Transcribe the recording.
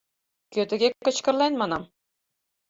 Кӧ тыге кычкырлен, манам.